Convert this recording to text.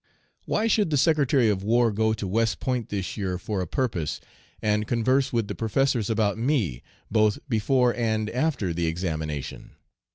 Why should the Secretary of War go to West Point this year 'for a purpose,' and converse with the professors about me both before and after the examination?